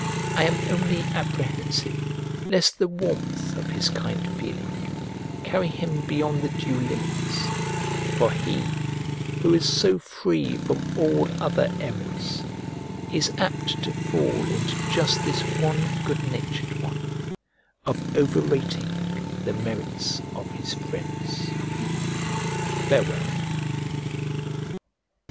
I am only apprehensive lest the warmth of his kind feeling carry him beyond the due limits; for he, who is so free from all other errors, is apt to fall into just this one good natured one, of overrating the merits of his friends. Farewell.